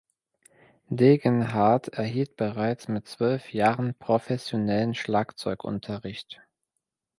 Degenhardt erhielt bereits mit zwölf Jahren professionellen Schlagzeugunterricht.